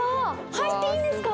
入っていいんですか？